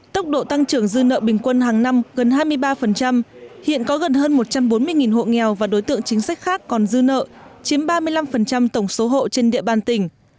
tốc độ tăng trưởng dư nợ bình quân hàng năm gần hai mươi ba hiện có gần hơn một trăm bốn mươi hộ nghèo và đối tượng chính sách khác còn dư nợ chiếm ba mươi năm tổng số hộ trên địa bàn tỉnh